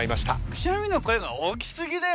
くしゃみの声が大きすぎだよね。